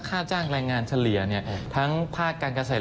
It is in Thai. ค่าจ้างแรงงานเฉลี่ยทั้งภาคการเกษตร